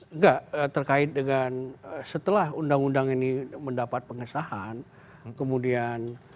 enggak terkait dengan setelah undang undang ini mendapat pengesahan kemudian